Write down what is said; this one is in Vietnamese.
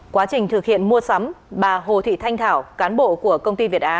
quá trình thực hiện mua sắm bà hồ thị thanh thảo cán bộ của công ty việt á